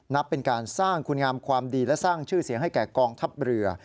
นับเป็นการสร้างคุณงามความดีและสร้างชื่อเสียงให้แก่กองทัพเรือ